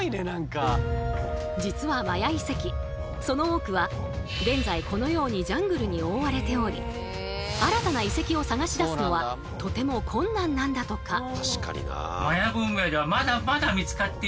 その多くは現在このようにジャングルに覆われており新たな遺跡を探し出すのはとても困難なんだとか。